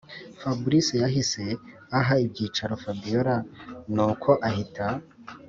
fabric yahise aha ibyicaro fabiora nuko ahita